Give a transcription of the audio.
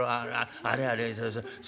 あれあれそうそう。